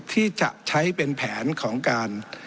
ที่จะใช้เป็นแผนของการ